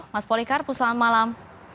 mas polikarpus selamat malam